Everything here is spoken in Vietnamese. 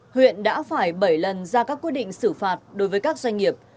huyện đã phải bảy lần ra các quyết định xử phạt đối với các doanh nghiệp